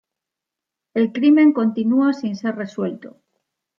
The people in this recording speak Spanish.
El crimen continua sin ser resuelto.